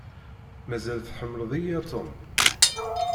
Mazal tḥemmleḍ-iyi a Tom?